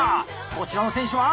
こちらの選手は？